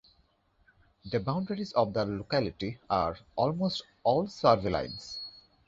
The boundaries of the locality are almost all survey lines.